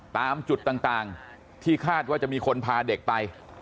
ตามจุดต่างที่คาดว่าจะมีคนพาเด็กไป